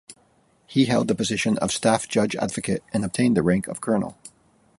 He held the position of Staff Judge Advocate and obtained the rank of Colonel.